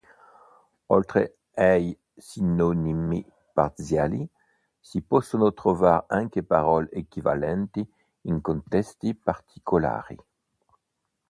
Oltre ai sinonimi parziali, si possono trovare anche parole equivalenti in contesti particolari.